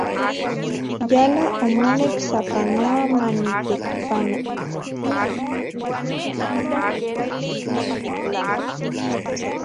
Yala omonek sapanoa manitekipano.